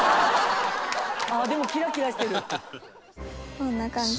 こんな感じで。